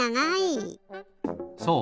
そう。